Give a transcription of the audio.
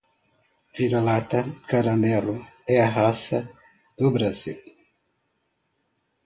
Vira-lata caramelo é a raça do Brasil